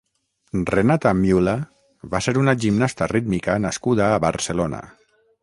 Renata Müller va ser una gimnasta rítmica nascuda a Barcelona.